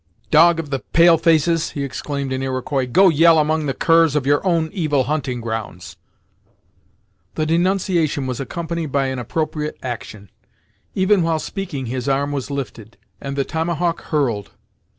"Dog of the pale faces!" he exclaimed in Iroquois, "go yell among the curs of your own evil hunting grounds!" The denunciation was accompanied by an appropriate action. Even while speaking his arm was lifted, and the tomahawk hurled.